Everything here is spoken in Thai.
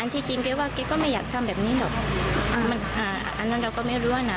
ที่จริงแกว่าแกก็ไม่อยากทำแบบนี้หรอกอันนั้นเราก็ไม่รู้ว่าน่ะ